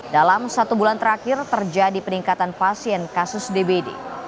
dalam satu bulan terakhir terjadi peningkatan pasien kasus dbd